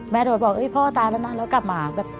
แม่โดยบอกพ่อตายแล้วนะแล้วกลับมา